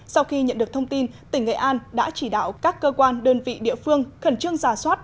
sau khi nhận được thông tin tỉnh nghệ an đã chỉ đạo các cơ quan đơn vị địa phương khẩn trương giả soát